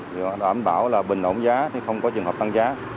đảm bảo là bình ổn giá không có trường hợp tăng giá